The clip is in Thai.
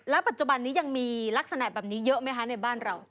ปัจจุบันนี้ยังมีลักษณะแบบนี้เยอะไหมคะในบ้านเรา